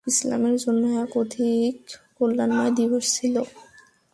ইসলামের জন্য এক অধিক কল্যাণময় দিবস ছিল।